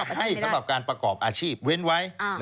ให้สำหรับการประกอบอาชีพเว้นไว้